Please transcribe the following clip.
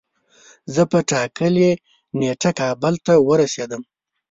زه په ټاکلی نیټه کابل ته ورسیدلم